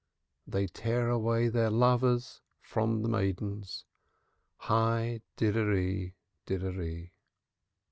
They tear away their lovers from the maidens, Hi, hi, did a rid a ree!